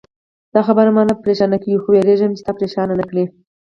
دا خبره ما نه پرېشانه کوي، خو وېرېږم چې تا پرېشانه نه کړي.